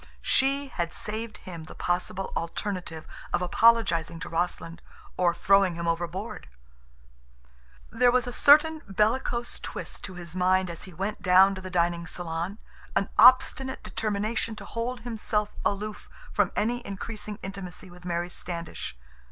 She had saved him the possible alternative of apologizing to Rossland or throwing him overboard! There was a certain bellicose twist to his mind as he went down to the dining salon, an obstinate determination to hold himself aloof from any increasing intimacy with Mary Standish.